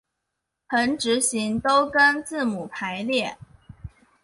横直行都跟字母排列。